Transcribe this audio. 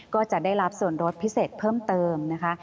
ก็จะได้รับส่วนลดพิเศษเพิ่มเติมนะคะ